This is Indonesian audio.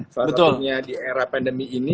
salah satunya di era pandemi ini